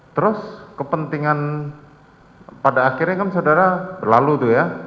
terus kepentingan pada akhirnya kan saudara berlalu tuh ya